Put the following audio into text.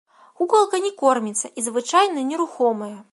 Кукалка не корміцца і звычайна нерухомая.